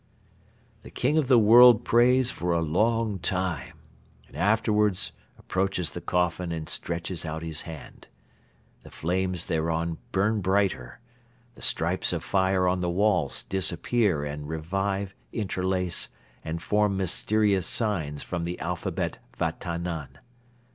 "The King of the World prays for a long time and afterwards approaches the coffin and stretches out his hand. The flames thereon burn brighter; the stripes of fire on the walls disappear and revive, interlace and form mysterious signs from the alphabet vatannan.